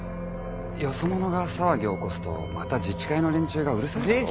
よそ者が騒ぎを起こすとまた自治会の連中がうるさいだろ。